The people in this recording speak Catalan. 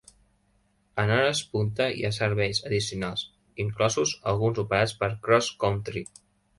En hores punta hi ha serveis addicionals, inclosos alguns operats per CrossCountry.